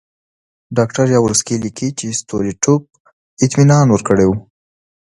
ډاکټر یاورسکي لیکي چې ستولیټوف اطمینان ورکړی وو.